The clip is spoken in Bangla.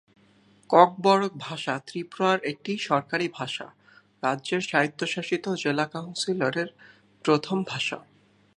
ককবরক ভাষা ত্রিপুরার একটি সরকারি ভাষা, রাজ্যের স্বায়ত্তশাসিত জেলা কাউন্সিলের প্রথম ভাষা।